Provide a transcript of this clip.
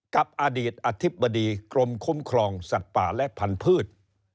กับอดีตอธิบดีกรมคุ้มครองสัตว์ป่าและพันธุ์